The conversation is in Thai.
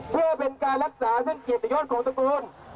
เพื่อเป็นการรักษาซึ่งกิจตะโยชน์ของตระกูล